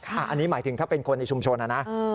อันนี้หมายถึงถ้าเป็นคนในชุมชนนะ